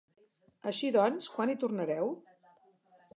Així doncs, quan hi tornareu?